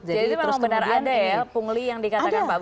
jadi memang benar ada ya pungli yang dikatakan pak bambang itu